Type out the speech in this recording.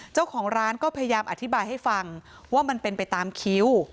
เจ้าของร้านก็พยายามอธิบายให้ฟังว่ามันเป็นไปตามคิ้ว